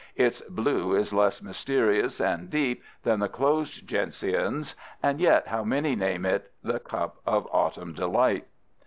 Its blue is less mysterious and deep than the closed gentian's, and yet how many name it the cup of autumn delight!